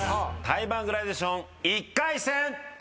タイマングラデーション１回戦！